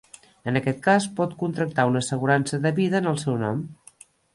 En aquest cas pot contractar una assegurança de vida en el seu nom.